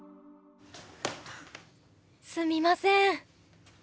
すみません！